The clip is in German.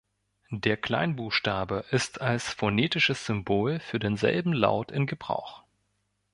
Der Kleinbuchstabe ist als phonetisches Symbol für denselben Laut in Gebrauch.